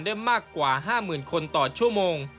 ได้มากกว่า๕๐๐๐คนต่อชั่วโมง